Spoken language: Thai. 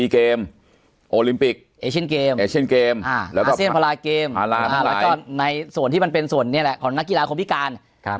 ๔เกมโอลิมปิกเอเชียนเกมอาเซียนพลาเกมแล้วก็ในส่วนที่มันเป็นส่วนนี้แหละของนักกีฬาของพี่การ